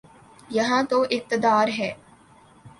یہاں تو اقتدار ہے۔